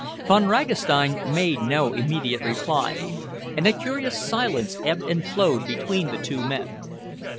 Von Ragastein made no immediate reply, and a curious silence ebbed and flowed between the two men.